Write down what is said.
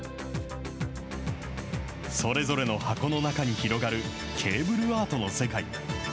それぞれの箱の中に広がるケーブルアートの世界。